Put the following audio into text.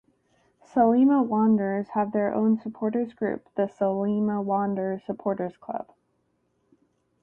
Sliema Wanderers have their own supporters' group, the Sliema Wanderers Supporters Club.